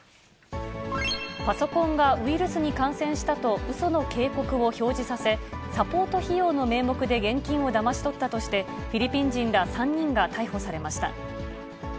パソコンがウイルスに感染したとうその警告を表示させ、サポート費用の名目で現金をだまし取ったとして、フィリピン人ら３人が逮捕されました。